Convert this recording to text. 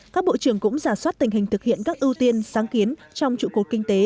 các bộ trưởng cũng giả soát tình hình thực hiện các ưu tiên sáng kiến trong trụ cột kinh tế